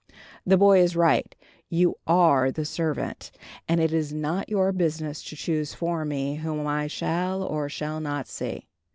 The boy is right. You are the servant, and it is not your business to choose for me whom I shall or shall not see."